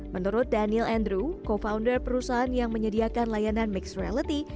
menurut daniel andrew co founder perusahaan yang menyediakan layanan mixed reality